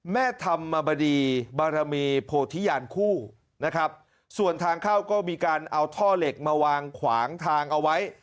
แม่ธรรมบดีบารมีโพธิญาณคู่นะครับส่วนทางเข้าก็มีการเอาท่อเหล็กมาวางขวางทางเอาไว้